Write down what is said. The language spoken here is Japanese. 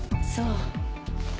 そう。